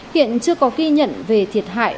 hiện chưa có ghi nhận về thiệt hại